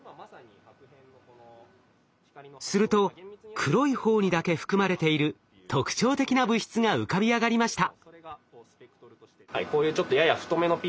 すると黒い方にだけ含まれている特徴的な物質が浮かび上がりました。